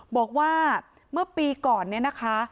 บอกว่าเมื่อปีเก่านี่